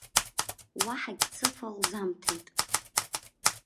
Уаҳагь цыфа лзамҭеит.